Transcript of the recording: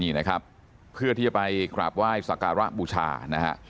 นี่นะครับเพื่อที่จะไปกราบไหว้สักการะบูชานะฮะ